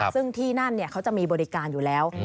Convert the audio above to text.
ซึ่งที่นั่นเขาจะมีบริการอยู่แล้ว